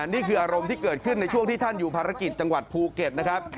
นี่คืออารมณ์ที่เกิดขึ้นในช่วงที่ท่านอยู่ภารกิจจังหวัดภูเก็ตนะครับ